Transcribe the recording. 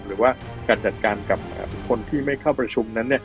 หรือว่าการจัดการกับคนที่ไม่เข้าประชุมนั้น